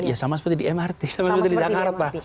ya sama seperti di mrt sama seperti di jakarta